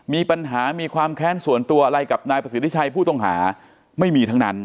มีปัญหามีความแค้นส่วนตัวอะไรกับนายประสิทธิชัยผู้ต้องหาไม่มีทั้งนั้น